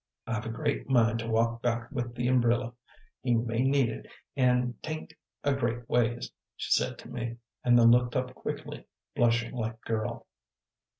"I've a great mind to walk back with the umbrilla; he may need it, an' 't ain't a great ways," she said to me, and then looked up quickly, blushing like a girl.